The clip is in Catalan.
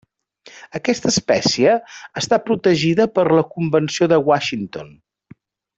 Aquesta espècie està protegida per la Convenció de Washington.